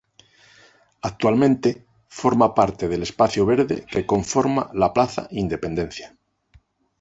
Actualmente, forma parte del espacio verde que conforma la plaza Independencia.